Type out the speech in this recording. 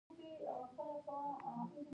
• دروغ د ژوند هره برخه زیانمنوي.